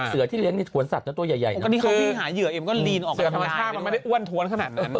เสือทำชาบมันไม่ได้อว่นท้วนขนาดนั้น